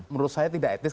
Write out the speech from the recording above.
menurut saya tidak etis